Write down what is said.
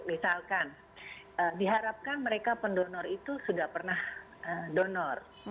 misalkan diharapkan mereka pendonor itu sudah pernah donor